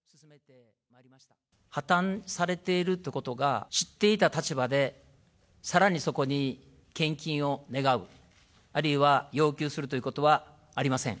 破綻されているっていうことが、知っていた立場で、さらにそこに献金を願う、あるいは要求するということはありません。